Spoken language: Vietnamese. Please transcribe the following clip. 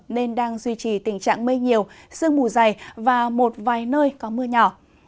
nên đang duy trì tình trạng mây nhiều sương mù dày và một vài nơi có mưa nhỏ